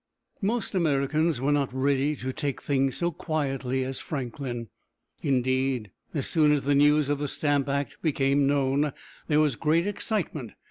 Most Americans were not ready to take things so quietly as Franklin. Indeed, as soon as the news of the Stamp Act became known, there was great excitement.